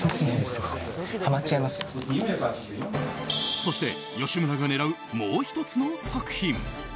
そして吉村が狙うもう１つの作品。